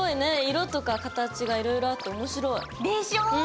色とか形がいろいろあっておもしろい！でしょ？